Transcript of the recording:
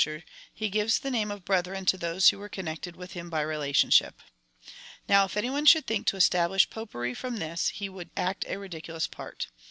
ture, lie gives the name of hrethi^en to tliose who were con nected with Him by rehitionshij). Now, if any one should think to establish Popery from this, he would act a ridiculous part.